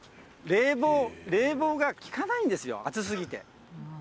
冷房が利かないんですよ、暑すぎて。